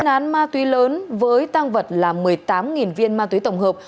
một án ma túy lớn với tăng vật là một mươi tám viên ma túy tổng hợp